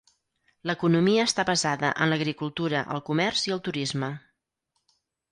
L'economia està basada en l'agricultura, el comerç i el turisme.